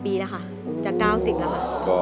๘๘ปีแล้วค่ะจาก๙๐แล้วนะคะ